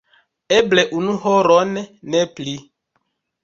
Eble unu horon, ne pli.